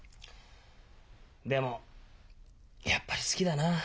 でもやっぱり好きだなあ。